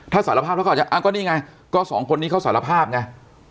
ถ้าสารภาพเขาก็อาจจะอ้ะก็นี่ไงก็๒คนนี้เขาสารภาพไง